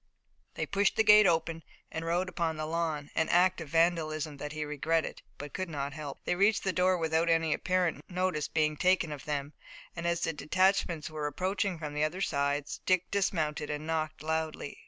They pushed the gate open and rode upon the lawn, an act of vandalism that he regretted, but could not help. They reached the door without any apparent notice being taken of them, and as the detachments were approaching from the other sides, Dick dismounted and knocked loudly.